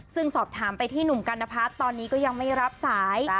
ซึ่งสอบถามไปที่หนุ่มกัณพัฒน์ตอนนี้ก็ยังไม่รับสาย